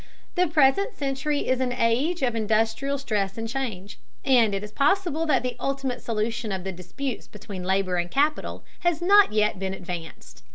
The present century is an age of industrial stress and change, and it is possible that the ultimate solution of the disputes between labor and capital has not yet been advanced.